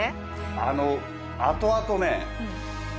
あのあとあとね。